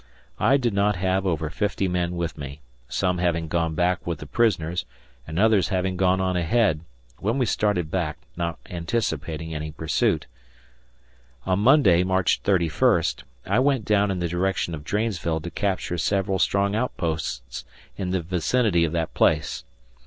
I did not have over 50 men with me, some having gone back with the prisoners and others having gone on ahead, when we started back, not anticipating any pursuit. On Monday, March 31, I went down in the direction of Dranesville to capture several strong outposts in the vicinity of that place.